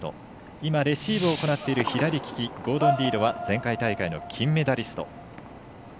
今、レシーブを行っている左利きゴードン・リードは前回大会の金メダリスト。